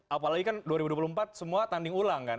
apalagi kan dua ribu dua puluh empat semua tanding ulang kan